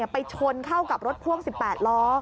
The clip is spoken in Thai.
ไปชนเข้ากับรถพ่วง๑๘ล้อ